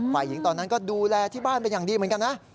ฝ่ายหญิงตอนนั้นก็ดูแลที่บ้านเป็นอย่างดีเหมือนกันนะ